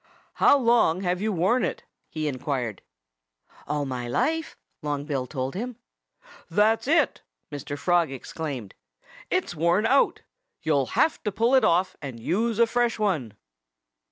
"How long have you worn it?" he inquired. "All my life!" Long Bill told him. "That's it!" Mr. Frog exclaimed. "It's worn out. You'll have to pull it off and use a fresh one."